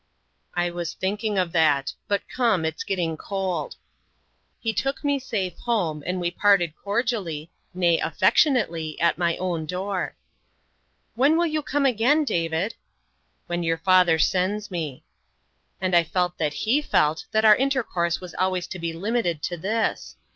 "I was thinking of that; but come, it's getting cold." He took me safe home, and we parted cordially nay, affectionately at my own door. "When will you come again, David?" "When your father sends me." And I felt that HE felt that our intercourse was always to be limited to this.